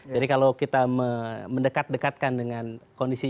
jadi kalau kita mendekat dekatkan dengan kondisinya